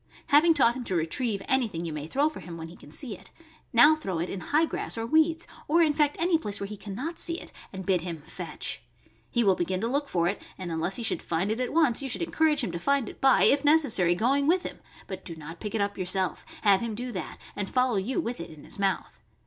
Having taught him to retrieve anything you may throw for him when he can see it, now throw it in high grass or weeds, or in fact any place where he can not see it, and bid him "fetch." He will begin to look for it, and unless he should find it at once, you should encourage him to find it by, if necessary, going with him, but do not pick it up yourself; have him do that and follow you with it in his mouth.